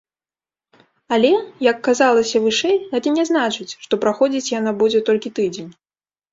Але, як казалася вышэй, гэта не значыць, што праходзіць яна будзе толькі тыдзень.